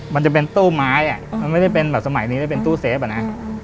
มันจะเป็นตู้ไม้อ่ะมันไม่ได้เป็นแบบสมัยนี้ได้เป็นตู้เซฟอะนะ